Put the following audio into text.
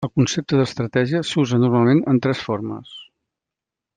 El concepte d'estratègia s'usa normalment en tres formes.